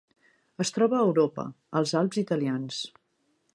Es troba a Europa: els Alps italians.